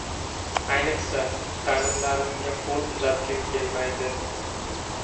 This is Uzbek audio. Ayniqsa… g‘animlarimga qo‘l uzatgim kelmaydi.